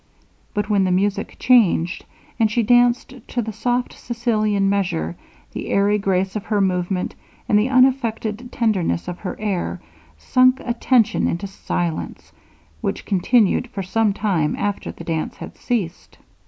But when the music changed, and she danced to the soft Sicilian measure, the airy grace of her movement, and the unaffected tenderness of her air, sunk attention into silence, which continued for some time after the dance had ceased.